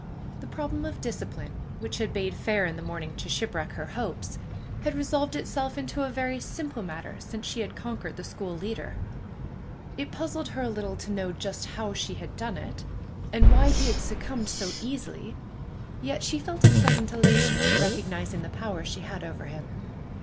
The problem of discipline, which had bade fair in the morning to shipwreck her hopes, had resolved itself into a very simple matter since she had conquered the school leader. It puzzled her a little to know just how she had done it, and why he had succumbed so easily, yet she felt a pleasant elation in recognizing the power she had over him.